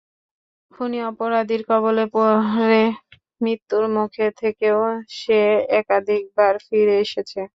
খুনী অপরাধীর কবলে পড়ে, মৃত্যুর মুখ থেকেও সে একাধিকবার ফিরে এসেছে।